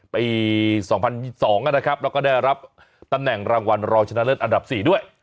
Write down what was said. ปี๒๐๒นะครับแล้วก็ได้รับตำแหน่งรางวัลรองชนะเลิศอันดับ๔ด้วย